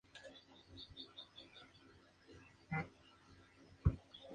Este caso llegó a ser archivado hasta en cuatro oportunidades.